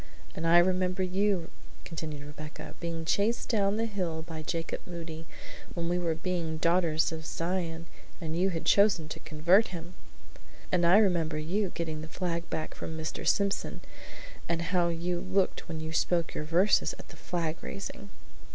"And I remember you," continued Rebecca, "being chased down the hill by Jacob Moody, when we were being Daughters of Zion and you had been chosen to convert him!" "And I remember you, getting the flag back from Mr. Simpson; and how you looked when you spoke your verses at the flag raising."